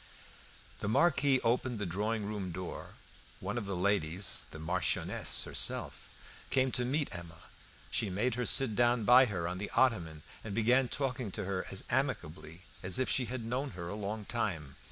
The Marquis opened the drawing room door; one of the ladies (the Marchioness herself) came to meet Emma. She made her sit down by her on an ottoman, and began talking to her as amicably as if she had known her a long time.